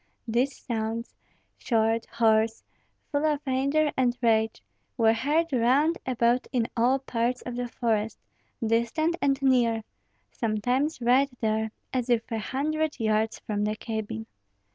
These sounds, short, hoarse, full of anger and rage, were heard round about in all parts of the forest, distant and near, sometimes right there, as if a hundred yards from the cabin.